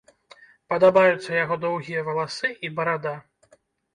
Падабаюцца яго доўгія валасы і барада.